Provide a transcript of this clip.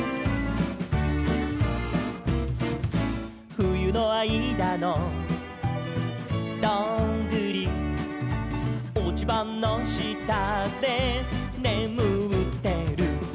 「ふゆのあいだのどんぐり」「おちばのしたでねむってる」